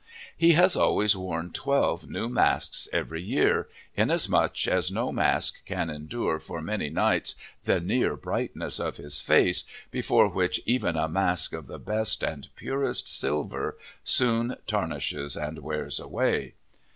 "He has always worn twelve new masks every year, inasmuch as no mask can endure for many nights the near brightness of his face, before which even a mask of the best and purest silver soon tarnishes and wears away.